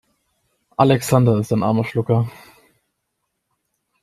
Alexander ist ein armer Schlucker.